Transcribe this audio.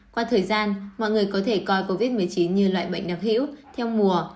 qua thời gian mọi người có thể coi covid một mươi chín như loại bệnh đặc hữu theo mùa